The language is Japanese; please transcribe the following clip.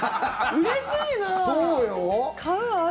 うれしい。